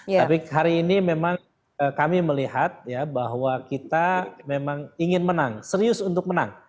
tapi hari ini memang kami melihat ya bahwa kita memang ingin menang serius untuk menang